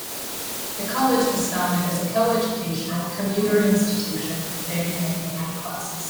The college was founded as a coeducational, commuter institution with day and evening classes.